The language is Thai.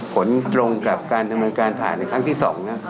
ผลตรงกับการทำเนินการผ่าครั้งที่สองนะ